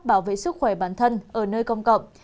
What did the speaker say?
bảo vệ sức khỏe bản thân ở nơi công cộng